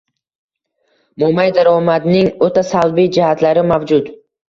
– mo‘may daromadning o‘ta salbiy jihatlari mavjud: